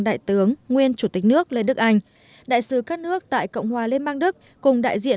đại tướng nguyên chủ tịch nước lê đức anh đại sứ các nước tại cộng hòa liên bang đức cùng đại diện